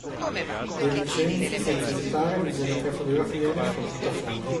De Vincenzi, senza esitare, mise le tre fotografie nel suo portafogli